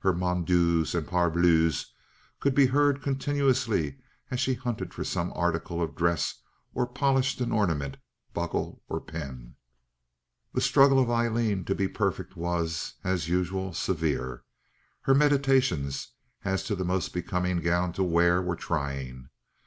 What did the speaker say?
Her "mon dieus" and "par bleus" could be heard continuously as she hunted for some article of dress or polished an ornament, buckle, or pin. The struggle of Aileen to be perfect was, as usual, severe. Her meditations, as to the most becoming gown to wear were trying.